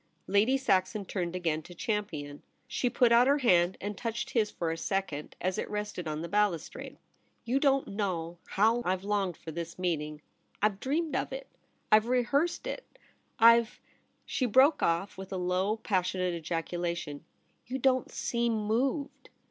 Lady Saxon turned again to Champion. She put out her hand and touched his for a second as it rested on the balustrade. 4—2 umm "^ 52 THE REBEL ROSE. ' You don't know how I've longed for this meeting. I've dreamed of it — I've rehearsed it^ I've ' She broke off with a low passionate ejaculation. * You don't seem moved.